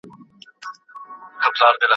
په کور کي د زده کړي لپاره سخت اصول نه جوړېږي.